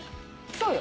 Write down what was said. そうよ